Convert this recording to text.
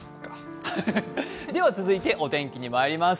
続いてお天気にまいります。